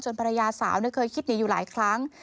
ภรรยาสาวเคยคิดหนีอยู่หลายครั้ง